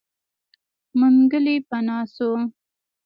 منګلی پناه شو.